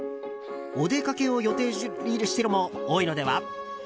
お出かけを予定している人も多いのでは？